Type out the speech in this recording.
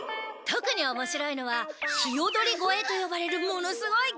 特に面白いのは鵯越と呼ばれるものすごい崖。